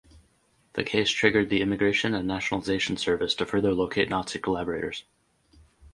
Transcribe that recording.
The case triggered the Immigration and Nationalization Service to further locate Nazi collaborators.